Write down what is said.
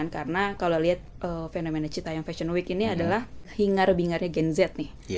karena kalau lihat fenomena cita yang fashion week ini adalah hingar bingarnya gen z nih